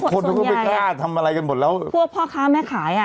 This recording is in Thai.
คนใช่หวัดผู้พ่อข้าวแม่ขายอ่ะ